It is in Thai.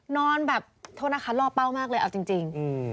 นอนแบบโทษนะคะล่อเป้ามากเลยเอาจริง